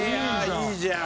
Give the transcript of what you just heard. いいじゃん！